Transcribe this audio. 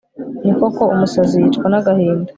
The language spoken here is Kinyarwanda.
ni koko umusazi yicwa n'agahinda